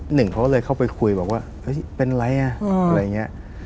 หนึ่งเขาเลยเข้าไปคุยบอกว่าเป็นอะไรน่ะ